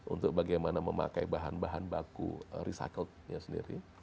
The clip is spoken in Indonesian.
untuk bagaimana memakai bahan bahan baku recycling